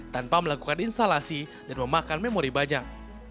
tanpa melakukan instalasi dan memakan memori banyak